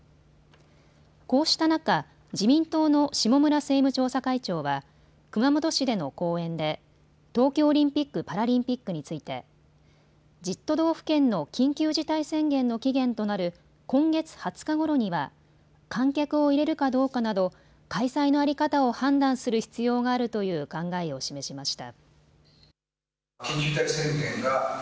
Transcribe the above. こうした中、自民党の下村政務調査会長は熊本市での講演で東京オリンピック・パラリンピックについて１０都道府県の緊急事態宣言の期限となる今月２０日ごろには観客を入れるかどうかなど開催の在り方を判断する必要があるという考えを示しました。